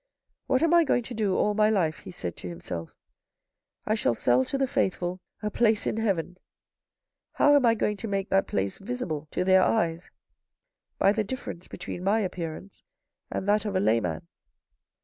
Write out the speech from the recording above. " What am I going to do all my life," he said to himself. " I shall sell to the faithful a place in heaven. How am I going to make that place visible to their eyes ? By the difference between my appearance and that of a layman."